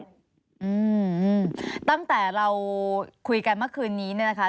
อืมตั้งแต่เราคุยกันเมื่อคืนนี้เนี่ยนะคะ